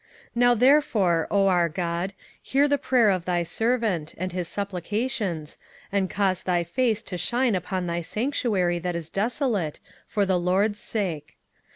27:009:017 Now therefore, O our God, hear the prayer of thy servant, and his supplications, and cause thy face to shine upon thy sanctuary that is desolate, for the Lord's sake.